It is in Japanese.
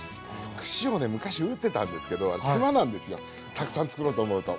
串をね昔打ってたんですけどあれ手間なんですよたくさんつくろうと思うと。